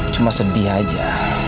cuma sedih aja